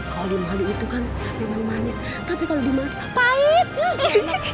kalau di madu itu kan memang manis